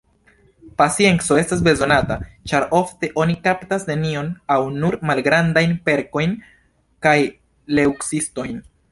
Pacienco estas bezonata, ĉar ofte oni kaptas nenion aŭ nur malgrandajn perkojn kaj leŭciskojn.